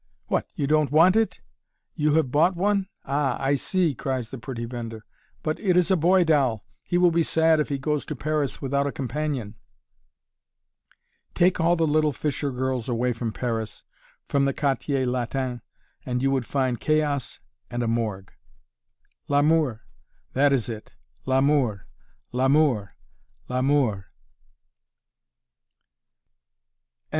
"What, you don't want it? You have bought one? Ah! I see," cries the pretty vendor; "but it is a boy doll he will be sad if he goes to Paris without a companion!" Take all the little fishergirls away from Paris from the Quartier Latin and you would find chaos and a morgue! L'amour! that is it L'amour! L'amour! L'amour!